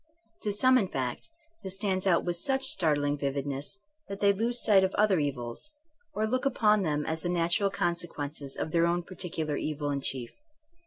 To some, in fact, this stands out with such startling vividness that they lose sight of other evils, or look upon them as the natural consequences of their own par ticular evil in chief.